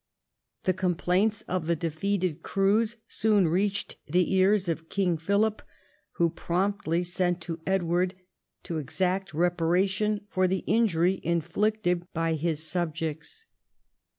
The complaints of the defeated crews soon reached the ears of King Philip, who promptly sent to Edward to exact reparation for the injury inflicted by his subjects.